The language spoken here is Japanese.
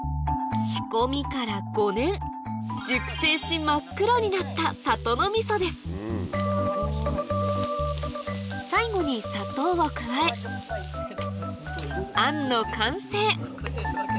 仕込みから５年熟成し真っ黒になった最後に砂糖を加えあんの完成